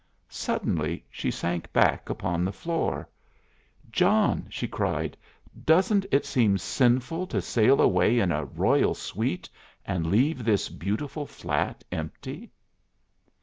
Suddenly she sank back upon the floor. "John!" she cried, "doesn't it seem sinful to sail away in a 'royal suite' and leave this beautiful flat empty?"